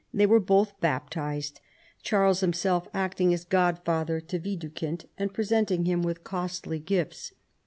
They were both baptized, Charles himself acting as godfather to "Widukind and presenting him with costly gifts.